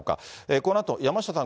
このあと山下さん